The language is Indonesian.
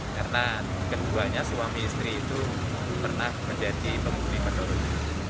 karena kedua suami istri itu pernah menjadi pembunuh penolong